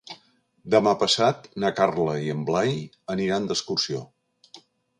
Demà passat na Carla i en Blai aniran d'excursió.